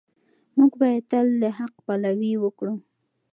موږ باید تل د حق پلوي وکړو.